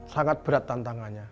sangat berat tantangannya